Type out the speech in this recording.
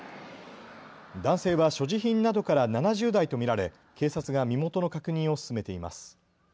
男性は所持品などから７０代と見られ、警察が身元の確認を進めています。